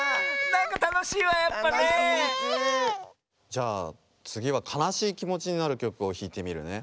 じゃあつぎはかなしいきもちになるきょくをひいてみるね。